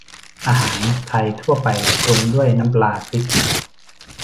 อาหารไทยทั่วไป ปรุงด้วยน้ำปลาพริก